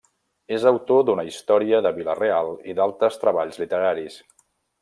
És autor d'una història de Vila-real i d'altres treballs literaris.